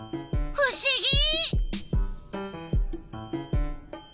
ふしぎ！